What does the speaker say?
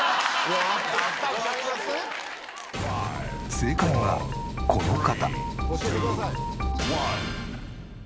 正解はこの方。